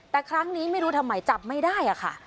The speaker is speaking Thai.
แต่ครั้งนี้ไม่รู้ทำไมจับไม่ได้ค่ะ